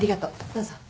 どうぞ。